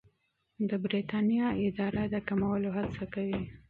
د بریتانیا اداره د کمولو هڅه کوي.